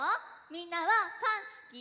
みんなはパンすき？